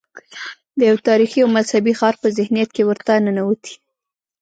د یو تاریخي او مذهبي ښار په ذهنیت کې ورته ننوتي.